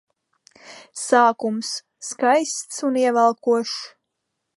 Sākums - skaists un ievelkošs.